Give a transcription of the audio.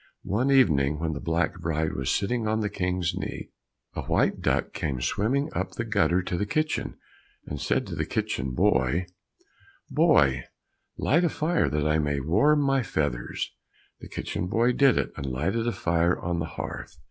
One evening when the black bride was sitting on the King's knee, a white duck came swimming up the gutter to the kitchen, and said to the kitchen boy, "Boy, light a fire, that I may warm my feathers." The kitchen boy did it, and lighted a fire on the hearth.